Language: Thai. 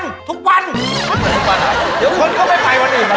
เดี๋ยวคนก็ไม่ไปวันอื่นก่อนนะ